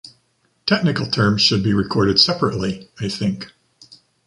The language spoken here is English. Technical terms should be recorded separately, I think.